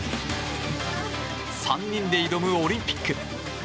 ３人で挑むオリンピック。